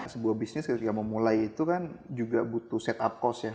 sebuah bisnis ketika memulai itu kan juga butuh set up cost ya